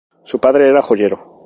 Su padre era joyero.